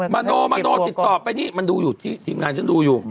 โนมโนติดต่อไปนี่มันดูอยู่ที่ทีมงานฉันดูอยู่